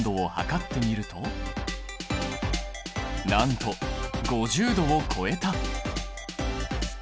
なんと５０度を超えた！